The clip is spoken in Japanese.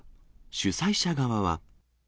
主催者側は。